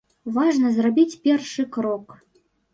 Важна зрабіць першы крок.